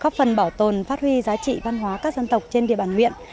góp phần bảo tồn phát huy giá trị văn hóa các dân tộc trên địa bàn huyện